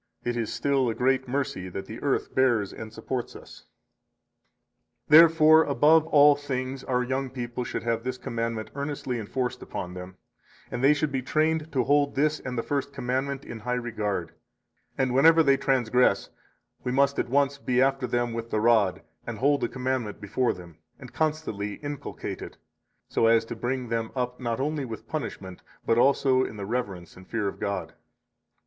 It is still a great mercy that the earth bears and supports us. 61 Therefore, above all things, our young people should have this commandment earnestly enforced upon them, and they should be trained to hold this and the First Commandment in high regard; and whenever they transgress, we must at once be after them with the rod, and hold the commandment before them, and constantly inculcate it, so as to bring them up not only with punishment, but also in the reverence and fear of God.